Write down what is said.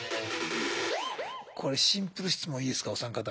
これシンプル質問いいですかお三方。